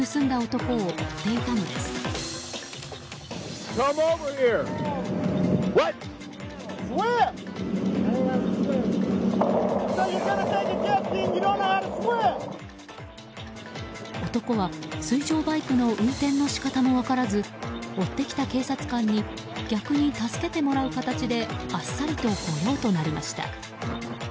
男は水上バイクの運転の仕方も分からず追ってきた警察官に逆に助けてもらう形であっさりと御用となりました。